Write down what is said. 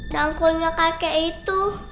canggulnya kakek itu